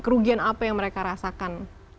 kerugian apa yang mereka rasakan